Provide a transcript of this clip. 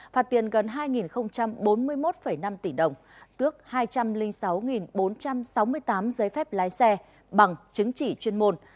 phạt tiền gần hai bốn mươi một năm tỷ đồng bằng chứng chỉ chuyên môn